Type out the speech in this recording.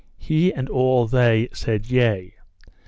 He and all they said yea.